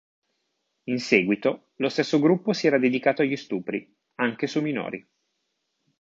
In seguito, lo stesso gruppo si era dedicato agli stupri, anche su minori.